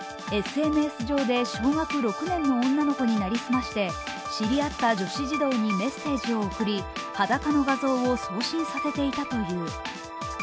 ＳＮＳ上で小学６年の女の子に成り済まして知り合った女子児童にメッセージを送り、裸の画像を送信させていたという。